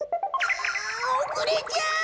おくれちゃう！